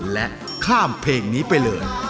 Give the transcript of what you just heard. และข้ามเพลงนี้ไปเลย